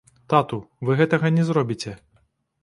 Тату, вы гэтага не зробіце.